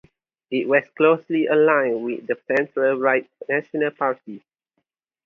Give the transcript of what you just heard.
It was closely aligned with the centre-right National Party.